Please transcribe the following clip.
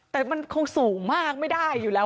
แต่มันคงสูงมากไม่ได้อยู่แล้ว